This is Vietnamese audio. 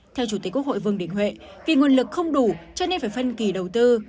theo chủ tịch quốc hội vương đình huệ vì nguồn lực không đủ cho nên phải phân kỳ đầu tư